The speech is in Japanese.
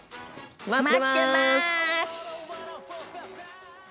待ってます！